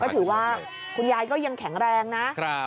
ถือว่าคุณยายก็ยังแข็งแรงนะ